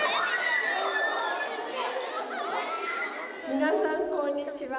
皆さんこんにちは。